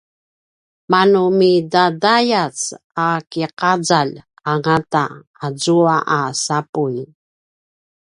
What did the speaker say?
manu midadayac a ki’azalj angata azua a sapuy